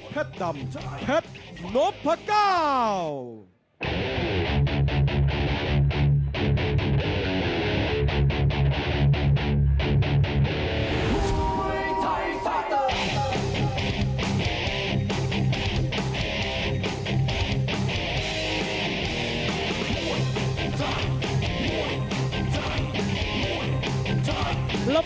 สวัสดีครับสวัสดีครับ